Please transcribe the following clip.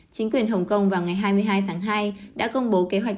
chính quyền hồng kông vào ngày hai mươi hai tháng hai đã công bố kế hoạch